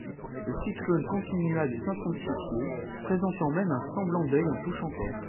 Le cyclone continua de s'intensifier, présentant même un semblant d'œil en touchant terre.